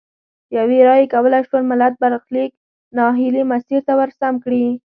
یوې رایې کولای شول ملت برخلیک نا هیلي مسیر ته ورسم کړي.